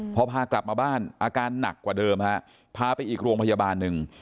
พอพากลับมาบ้านอาการหนักกว่าเดิมฮะพาไปอีกโรงพยาบาลหนึ่ง